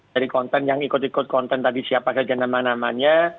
dari konten yang ikut ikut konten tadi siapa saja nama namanya